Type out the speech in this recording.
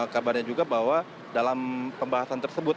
kabarnya juga bahwa dalam pembahasan tersebut